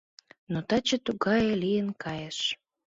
Но таче тугае лийын кайыш!